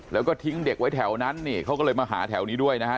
แล้วก็ทิ้งเด็กไว้แถวนั้นนี่เขาก็เลยมาหาแถวนี้ด้วยนะฮะ